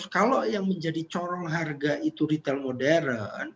kalau yang menjadi corong harga itu retail modern